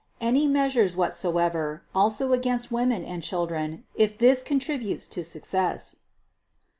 . any measures whatsoever also against women and children if this contributes to success